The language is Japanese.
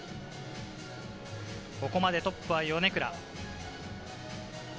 ここまでトップは米倉。